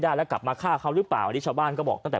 ได้แล้วกลับมาฆ่าเขาหรือเปล่าอันนี้ชาวบ้านก็บอกตั้งแต่